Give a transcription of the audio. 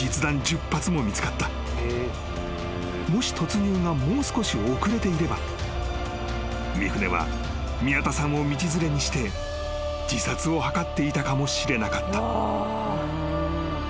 ［もし突入がもう少し遅れていれば三船は宮田さんを道連れにして自殺を図っていたかもしれなかった］